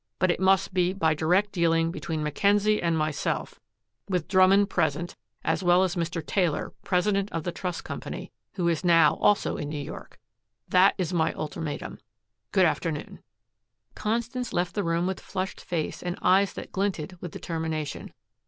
But it must be by direct dealing between Mackenzie and myself, with Drummond present as well as Mr. Taylor, president of the Trust Company, who is now also in New York. That is my ultimatum. Good afternoon." Constance left the room with flushed face and eyes that glinted with determination.